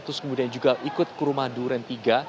terus kemudian juga ikut ke rumah duren tiga